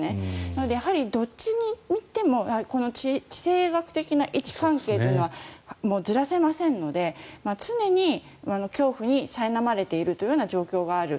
なのでやはりどっちにしても地政学的な位置関係というのはもうずらせませんので常に恐怖にさいなまれているというような状況がある。